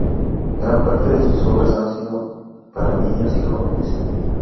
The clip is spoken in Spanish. Gran parte de sus obras han sido para niños y jóvenes.